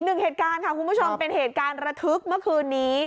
หนึ่งเหตุการณ์ค่ะคุณผู้ชมเป็นเหตุการณ์ระทึกเมื่อคืนนี้